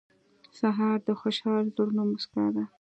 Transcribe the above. سهار د خوشحال زړونو موسکا ده.